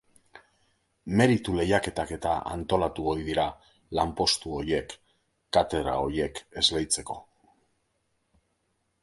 Meritu-lehiaketak-eta antolatu ohi dira lanpostu horiek, katedra horiek, esleitzeko.